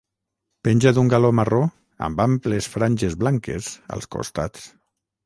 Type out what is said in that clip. Penja d'un galó marró amb amples franges blanques als costats.